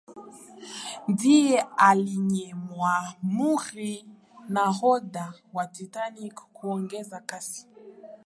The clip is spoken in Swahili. ndiye aliyemwamuru nahodha wa titanic kuongeza kasi